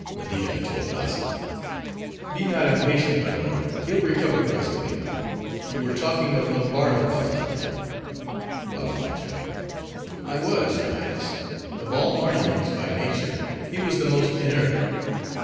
MEDIA (to Abrazza)—Be not impatient, my lord; he'll recover presently. You were talking of Lombardo, Babbalanja. BABBALANJA—I was, your Highness. Of all Mardians, by nature, he was the most inert.